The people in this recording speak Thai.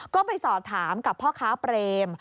ก็ไปสอบถามกับพ่อค้าเปรม